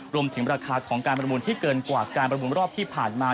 รวมถึงราคาของการประมูลที่เกินกว่าการประมูลรอบที่ผ่านมา